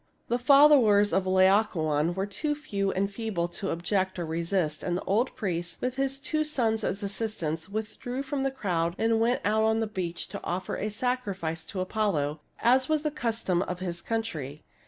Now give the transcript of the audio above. The followers of Laocobn were too few and feeble to object or resist; and the old priest, with his two sons as assistants, withdrew from the crowd and went out on the beach to offer a sacrifice to Apollo, as was the custom of his country.